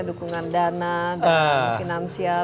dukungan dana dana finansial